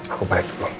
aku balik dulu